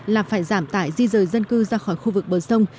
là phải giảm tải di rời dân cư ra khỏi khu vực bờ sông